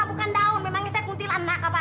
bukan daun memangnya saya kuntilan nak apa